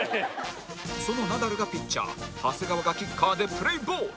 そのナダルがピッチャー長谷川がキッカーでプレーボール